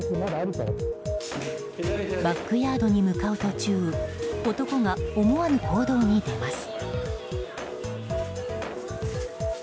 バックヤードに向かう途中男が思わぬ行動に出ます。